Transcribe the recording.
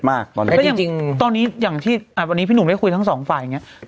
มอยตอนนี้ตอนนี้อย่างถ้าวันนี้พี่หนูได้คุยทั้ง๒ฝ่ายไงที่